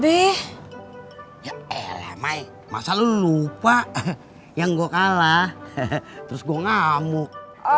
oh ya ngelerem ya masa lu lupa yang gua kalah terus gua ngamuk